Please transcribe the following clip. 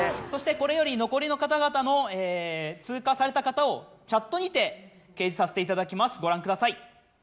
そしてこれより残りの方々の通過された方をチャットにて掲示させていただきますご覧ください。